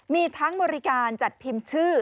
มีทั้งบริการจัดพิมพ์ชื่อ